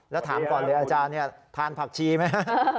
แล้วถามก่อนเลยอาจารย์ทานผักชีไหม